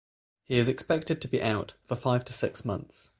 He is expected to be out for five to six months.